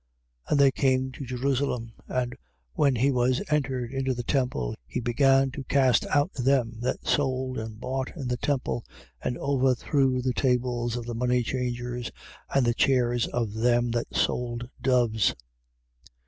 11:15. And they came to Jerusalem. And when he was entered into the temple, he began to cast out them that sold and bought in the temple: and over threw the tables of the moneychangers and the chairs of them that sold doves.